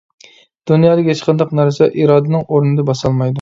دۇنيادىكى ھېچقانداق نەرسە ئىرادىنىڭ ئورنىنى باسالمايدۇ.